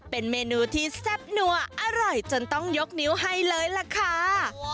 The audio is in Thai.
เป็นเมนูที่แซ่บนัวอร่อยจนต้องยกนิ้วให้เลยล่ะค่ะ